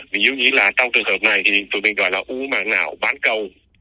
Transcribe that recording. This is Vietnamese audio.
vì dù nghĩ là trong trường hợp này thì tụi mình gọi là u bằng não bán cầu